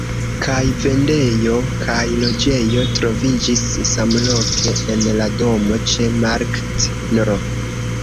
Kaj vendejo kaj loĝejo troviĝis samloke en la domo ĉe Markt nr.